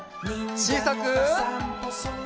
ちいさく。